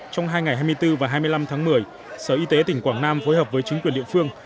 trong hai ngày hai mươi bốn và hai mươi năm tháng một mươi sở y tế tỉnh quảng nam phối hợp với chính quyền địa phương